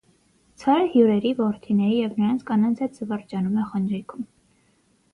Ցարը հյուրերի, որդիների ու նրանց կանանց հետ զվարճանում է խնջույքում։